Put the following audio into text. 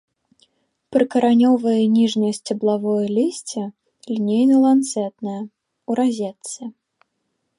Прыкаранёвае і ніжняе сцябловае лісце лінейна-ланцэтнае, у разетцы.